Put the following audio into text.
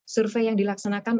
survei yang dilaksanakan